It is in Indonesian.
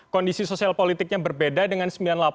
kondisi sosial politiknya berbeda dengan sembilan puluh delapan